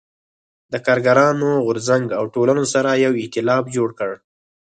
د کارګرانو غو رځنګ او ټولنو سره یو اېتلاف جوړ کړ.